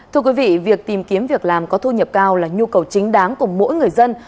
thưa quý vị việc tìm kiếm việc làm có thu nhập cao là nhu cầu chính đáng của mỗi người dân